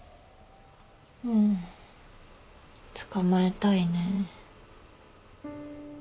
うん捕まえたいね。